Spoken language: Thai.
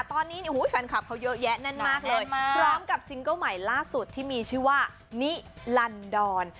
ตอนนี้แฟนคลับเขาเยอะแยะแน่นมากเลยพร้อมกับซิงเกิ้ลใหม่ล่าสุดที่มีชื่อว่านิลันดอน